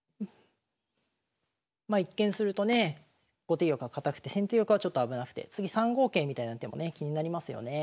まあ一見するとね後手玉が堅くて先手玉はちょっと危なくて次３五桂みたいな手もね気になりますよね。